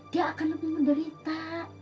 dia akan lebih menderita